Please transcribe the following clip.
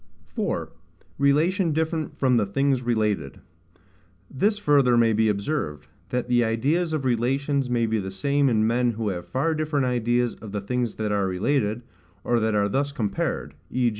4. Relation different from the Things related. This further may be observed, That the ideas of relations may be the same in men who have far different ideas of the things that are related, or that are thus compared: v.